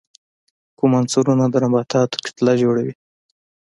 کوم عنصرونه د نباتاتو کتله جوړي؟